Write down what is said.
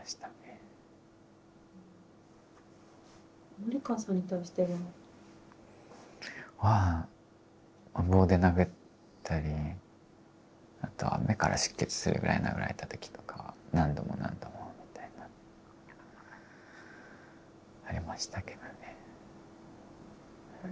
森川さんに対しては？は棒で殴ったりあとは目から出血するぐらい殴られた時とかは何度も何度もみたいな。ありましたけどね。